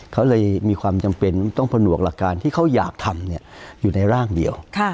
เขาเลยมีความจำเป็นต้องผนวกหลักการที่เขาอยากทำอยู่ในร่างเดียว